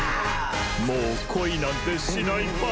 もう恋なんてしないパワー。